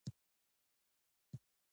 لومړۍ برخه د ثابتې پانګې ارزښت دی